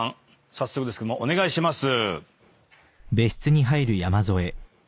早速ですけどもお願いします。